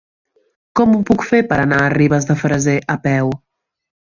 Com ho puc fer per anar a Ribes de Freser a peu?